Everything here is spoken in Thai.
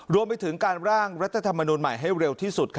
รวมไปถึงการร่างรัฐธรรมนูลใหม่ให้เร็วที่สุด